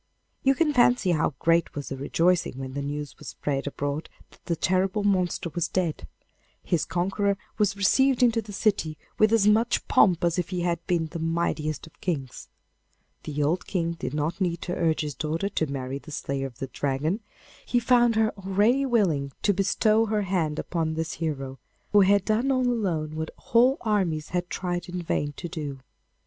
You can fancy how great was the rejoicing when the news was spread abroad that the terrible monster was dead. His conqueror was received into the city with as much pomp as if he had been the mightiest of kings. The old King did not need to urge his daughter to marry the slayer of the Dragon; he found her already willing to bestow her hand upon this hero, who had done all alone what whole armies had tried in vain to do.